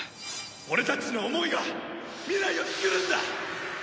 俺たちの思いが未来を創るんだ！